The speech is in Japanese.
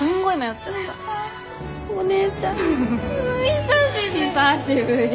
お姉ちゃん久しぶり！